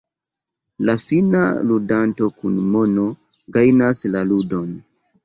La fina ludanto kun mono gajnas la ludon.